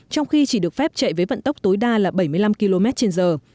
trong khi chỉ được phép chạy với vận tốc tối đa là bảy mươi năm km trên giờ